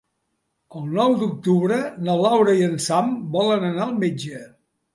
El nou d'octubre na Laura i en Sam volen anar al metge.